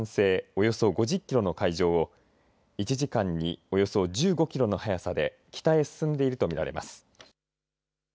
およそ５０キロの海上を１時間におよそ１５キロの速さで北へ進んでいるとみられます。